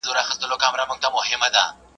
سياسي واک د خلګو لخوا حکومت ته ورکول کيږي.